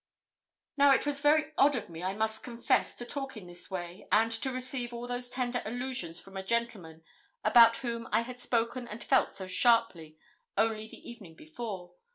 Now, it was very odd of me, I must confess, to talk in this way, and to receive all those tender allusions from a gentleman about whom I had spoken and felt so sharply only the evening before.